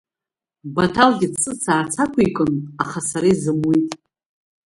Баҭалгьы дсыцаарц ақәикын, аха сара изымуит…